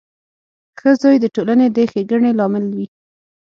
• ښه زوی د ټولنې د ښېګڼې لامل وي.